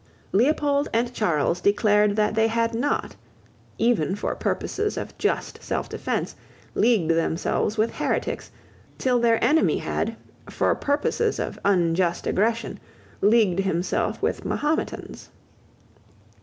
Leopold and Charles declared that they had not, even for purposes of just selfdefence, leagued themselves with heretics, till their enemy had, for purposes of unjust aggression, leagued himself with Mahometans.